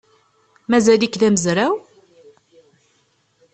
Mazal-ik d amezraw?